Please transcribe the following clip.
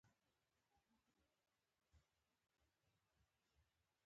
بالا حصار پر يوه ټيټه غونډۍ جوړ و.